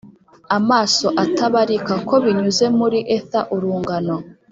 amaso atabarika ko binyuze muri ether urungano,